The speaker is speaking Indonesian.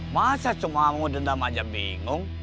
masa cuma mau dendam aja bingung